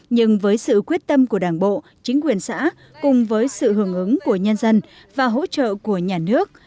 nhưng với sự quyết tâm của đảng bộ chính quyền xã cùng với sự hưởng ứng của nhân dân và hỗ trợ của nhà nước